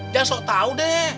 jangan sok tau deh